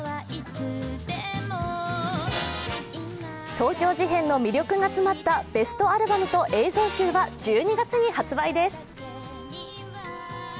東京事変の魅力が詰まったベストアルバムと映像集は１２月に発売です。